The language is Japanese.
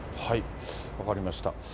分かりました。